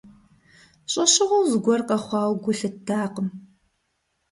ЩӀэщыгъуэу зыгуэр къэхъуауэ гу лъыттакъым.